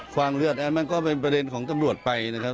ความเลือดอันมันก็เป็นประเด็นของตำรวจไปนะครับ